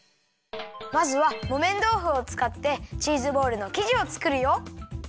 まずはもめんどうふをつかってチーズボールのきじをつくるよ。